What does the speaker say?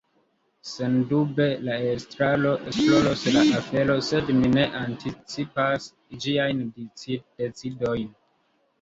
Sendube la Estraro esploros la aferon, sed mi ne anticipas ĝiajn decidojn.